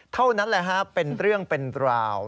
เท่านั้นแหละฮะเป็นเรื่องเป็นราว